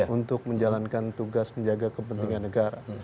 untuk menjalankan tugas menjaga kepentingan negara